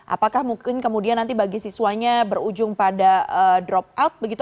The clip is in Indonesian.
apakah mungkin kemudian nanti bagi siswanya berujung pada drop out begitu